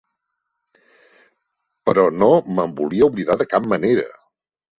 Però no me'n volia oblidar de cap manera.